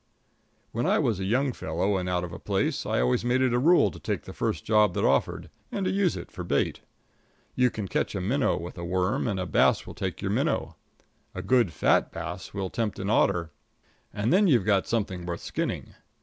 When I was a young fellow and out of a place, I always made it a rule to take the first job that offered, and to use it for bait. You can catch a minnow with a worm, and a bass will take your minnow. A good fat bass will tempt an otter, and then you've got something worth skinning.